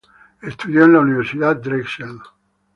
Estudió en la Universidad Drexel.